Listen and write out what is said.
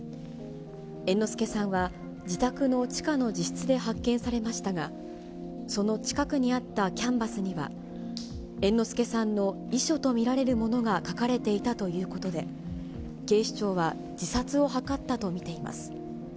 猿之助さんは自宅の地下の自室で発見されましたが、その近くにあったキャンバスには、猿之助さんの遺書と見られるものが書かれていたということで、警視庁は自殺を図ったと見ています。